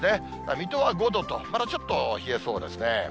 水戸は５度と、まだちょっと冷えそうですね。